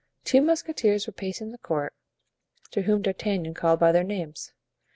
Two musketeers were pacing the court, to whom D'Artagnan called by their names.